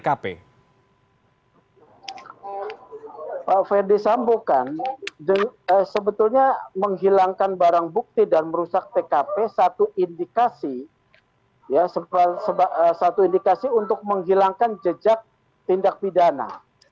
pak ferdisambo kan sebetulnya menghilangkan barang bukti dan merusak tkp satu indikasi untuk menghilangkan jejak tindak pidana